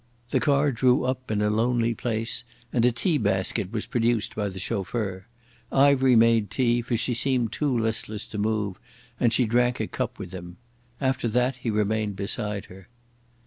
The car drew up in a lonely place, and a tea basket was produced by the chauffeur. Ivery made tea, for she seemed too listless to move, and she drank a cup with him. After that he remained beside her.